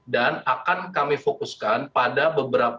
dan akan kami fokuskan pada beberapa dasarnya